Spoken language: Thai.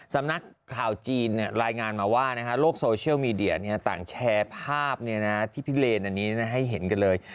สำนักข่าวจีนรายงานมาว่าโลกโซเชียลมีเดียต่างแชร์ภาพที่พิเลนอันนี้ให้เห็นกันเลย